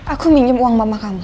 aku minjem uang mama kamu